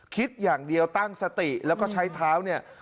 คิดอย่างเดียวตั้งสติแล้วก็ใช้เท้าเนี่ย